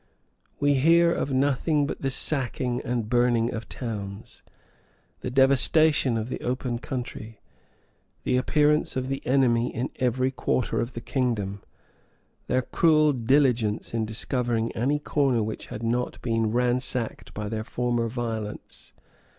We hear of nothing but the sacking and burning of towns; the devastation of the open country; the appearance of the enemy in every quarter of the kingdom; their cruel diligence in discovering any corner which had not been ransacked by their former violence.